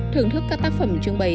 thưởng thức các tác phẩm trưng bày